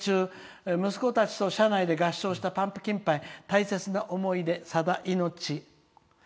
塾の送迎中息子たちと車内で合唱した「パンプキンパイ」大切な思い出、さだ命！